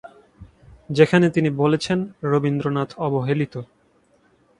যেখানে তিনি বলেছেন, রবীন্দ্রনাথ অবহেলিত।